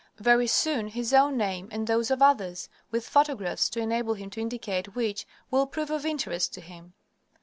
Very soon his own name and those of others, with photographs to enable him to indicate which, will prove of interest to him.